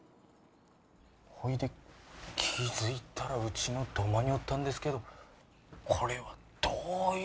ほいで気づいたらうちの土間におったんですけどこれはどういう？